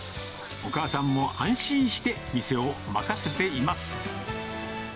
お母さんも安心して、店を任せています。